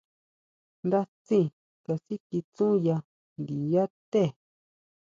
Ndá tsí kasikitsúya ndiyá té.